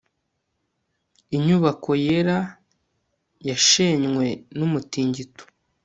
inyubako yera yashenywe numutingito